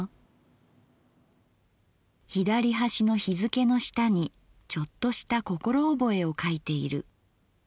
「左端の日附の下にちょっとした心おぼえを書いている。